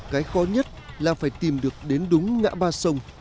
cái khó nhất là phải tìm được đến đúng ngã ba sông